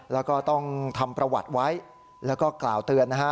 แล้วก็ต้องทำประวัติไว้แล้วก็กล่าวเตือนนะฮะ